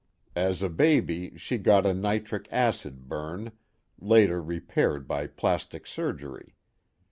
As a baby she got a nitric acid burn, later repaired by plastic surgery.